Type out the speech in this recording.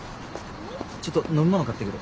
ちょっと飲み物買ってくる。